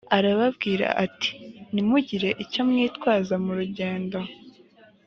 arababwira ati ntimugire icyo mwitwaza mu rugendo